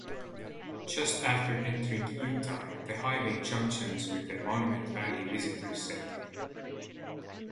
Just after entering Utah the highway junctions with the Monument Valley Visitors center.